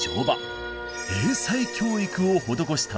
英才教育を施したのです。